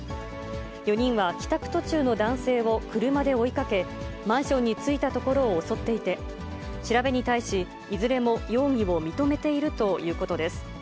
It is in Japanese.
４人は帰宅途中の男性を車で追いかけ、マンションに着いたところを襲っていて、調べに対し、いずれも容疑を認めているということです。